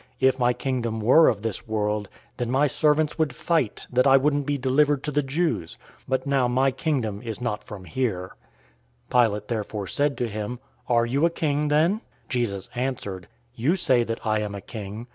If my Kingdom were of this world, then my servants would fight, that I wouldn't be delivered to the Jews. But now my Kingdom is not from here." 018:037 Pilate therefore said to him, "Are you a king then?" Jesus answered, "You say that I am a king.